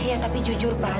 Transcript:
iya tapi jujur pak